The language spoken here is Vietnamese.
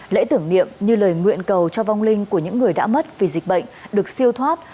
lễ tưởng niệm như lời nguyện cầu cho vong linh của những người đã mất vì dịch bệnh được siêu thoát